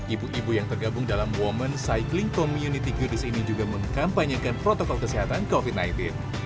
ibu ibu yang tergabung dalam women cycling community curies ini juga mengkampanyekan protokol kesehatan covid sembilan belas